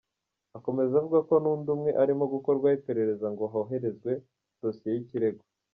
Akomeza avuga ko n’undi umwe arimo gukorwaho iperereza ngo hoherezwe dosiye y’ikirego.